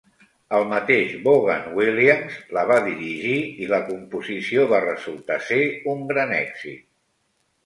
El mateix Vaughan Williams la va dirigir i la composició va resultar ser un gran èxit.